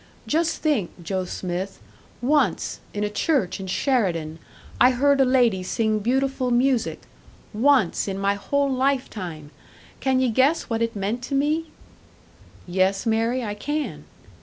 Just think, Joe Smith once, in a church in Sheridan, I heard a lady sing beautiful music; once in my whole lifetime! Can ye guess what it meant to me?" "Yes, Mary, I can."